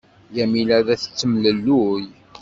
Yamina la tettemlelluy.